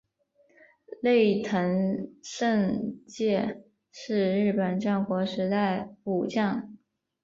内藤胜介是日本战国时代武将。